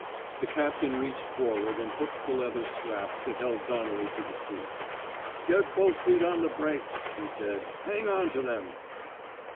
The captain reached forward and hooked the leather strap that held Donnelly to the seat. Get both feet on the brakes, *' he said. '* Hang on to them.'